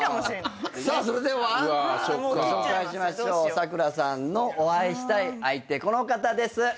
サクラさんのお会いしたい相手この方です。